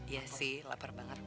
iya sih lapar banget